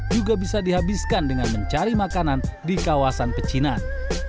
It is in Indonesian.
juga bisa dihabiskan dengan mencari makanan di kawasan pecinan